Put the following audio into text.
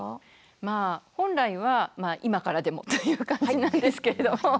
まあ本来は今からでもという感じなんですけど。